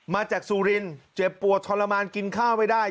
มาจากสุรินเจ็บปวดทรมานกินข้าวไม่ได้